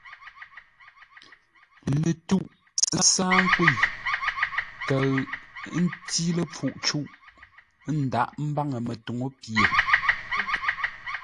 Lətwûʼ ə́ sáa nkwə̂i, kəʉ ə́ ntí ləpfuʼ cûʼ; ə́ ndaghʼḿbáŋə́ mətuŋú pye.